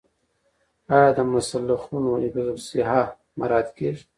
آیا د مسلخونو حفظ الصحه مراعات کیږي؟